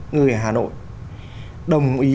người hà nội đồng ý